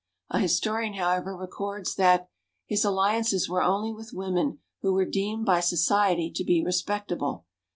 A historian, however, records that "his alliances were only with women who were deemed by society to be respectable.